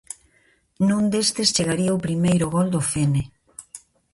Nun destes chegaría o primeiro gol do Fene.